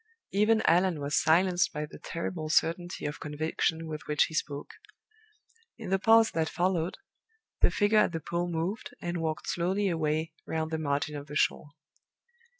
Even Allan was silenced by the terrible certainty of conviction with which he spoke. In the pause that followed, the figure at the pool moved, and walked slowly away round the margin of the shore.